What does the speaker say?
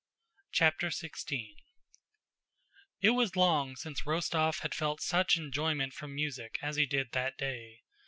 CHAPTER XVI It was long since Rostóv had felt such enjoyment from music as he did that day.